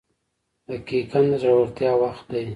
• دقیقه د زړورتیا وخت دی.